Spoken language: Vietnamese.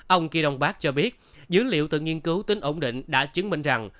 ông kỳ đông phát cho biết dữ liệu từ nghiên cứu tính ổn định đã chứng minh rằng